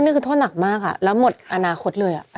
นี่คือโทษหนักมากแล้วหมดอนาคตเลย